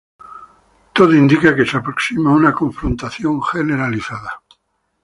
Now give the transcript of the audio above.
Todo indica que se aproxima una confrontación generalizada.